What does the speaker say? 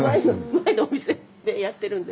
前のお店でやってるんで。